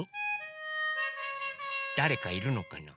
だれかいるのかな？